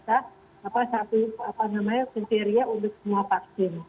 apa namanya kriteria untuk semua vaksin